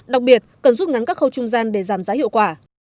đặc biệt cần rút ngắn các khâu trung gian để giảm giá hiệu quả